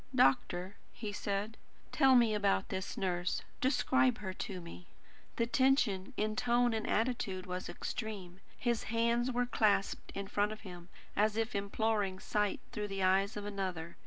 "Doctor," he said, "tell me about this nurse. Describe her to me." The tension in tone and attitude was extreme. His hands were clasped in front of him, as if imploring sight through the eyes of another.